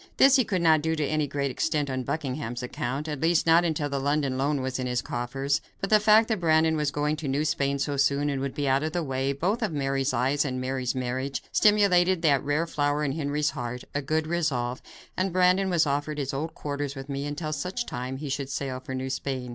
This he could not do to any great extent, on Buckingham's account; at least, not until the London loan was in his coffers, but the fact that Brandon was going to New Spain so soon and would be out of the way, both of Mary's eyes and Mary's marriage, stimulated that rare flower in Henry's heart, a good resolve, and Brandon was offered his old quarters with me until such time as he should sail for New Spain.